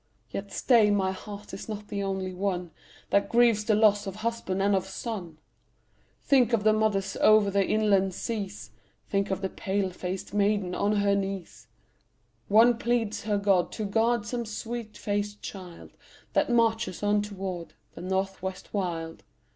Yet stay, my heart is not the only one That grieves the loss of husband and of son; Think of the mothers o'er the inland seas; Think of the pale faced maiden on her knees; One pleads her God to guard some sweet faced child That marches on toward the North West wild.